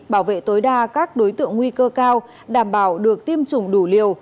bảo vệ tối đa các đối tượng nguy cơ cao đảm bảo được tiêm chủng đủ liều